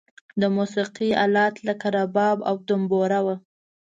د موسیقی آلات لکه رباب او دمبوره و.